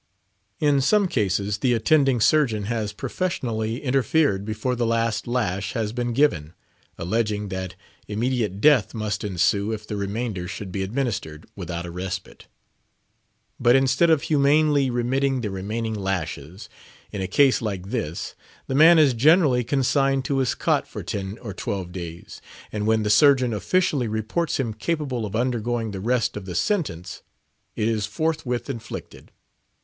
In some cases, the attending surgeon has professionally interfered before the last lash has been given, alleging that immediate death must ensue if the remainder should be administered without a respite. But instead of humanely remitting the remaining lashes, in a case like this, the man is generally consigned to his cot for ten or twelve days; and when the surgeon officially reports him capable of undergoing the rest of the sentence, it is forthwith inflicted.